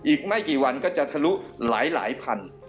อีกไม่กี่วันก็จะทะลุหลายพัน